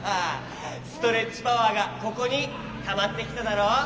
ストレッチパワーがここにたまってきただろ。